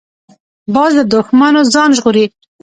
باز له دوښمنو ځان ژغوري